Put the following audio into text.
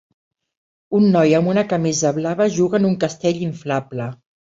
Un noi amb una camisa blava juga en un castell inflable